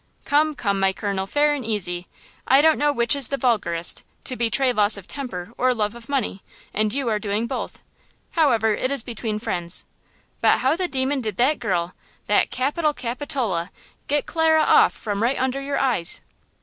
"Come, come, my colonel, fair and easy! I don't know which is vulgarest, to betray loss of temper or love of money, and you are doing both. However, it is between friends. But how the demon did that girl, that capital Capitola, get Clara off from right under your eyes?"